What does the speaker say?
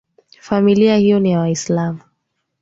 Familia hiyo ni ya waislamu